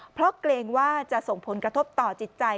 เพราะเกรงว่าจะส่งผลกระทบต่อจิตใจ